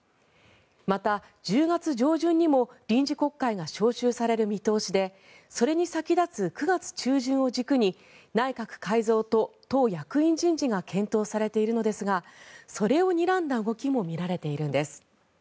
また、１０月上旬にも臨時国会が召集される見通しでそれに先立つ９月中旬を軸に内閣改造と党役員人事が検討されているのですがそれをにらんだ動きもみられているんです。